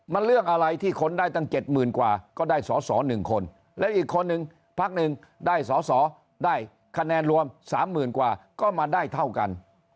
มันเรื่องอะไรที่คนได้ตั้ง๗๐๐กว่าก็ได้สอสอ๑คนและอีกคนนึงพักหนึ่งได้สอสอได้คะแนนรวม๓๐๐๐กว่าก็มาได้เท่ากัน